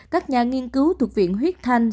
các nhà nghiên cứu thuộc viện huyết thanh